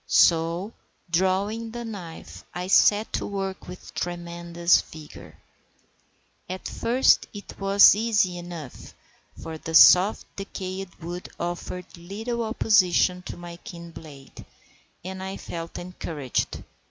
So drawing the knife, I set to work with tremendous vigour. At first it was easy enough, for the soft decayed wood offered little opposition to my keen blade, and I felt encouraged.